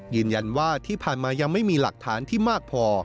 ยืนยันว่าที่ผ่านมายังไม่มีหลักฐานที่มากพอ